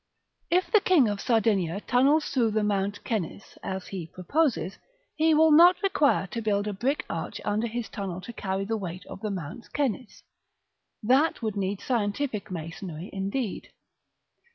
If the King of Sardinia tunnels through the Mont Cenis, as he proposes, he will not require to build a brick arch under his tunnel to carry the weight of the Mont Cenis: that would need scientific masonry indeed.